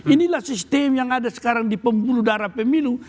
inilah sistem yang ada sekarang di pembuluh darah pemilu